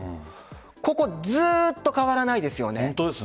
ここ、ずっと変わらないですよね。